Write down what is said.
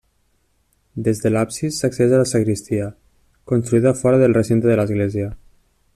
Des de l’absis s’accedeix a la sagristia, construïda fora del recinte de l’església.